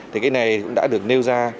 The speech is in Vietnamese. thì cái này cũng đã được nêu ra